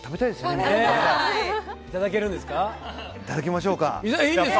いただきましょうか！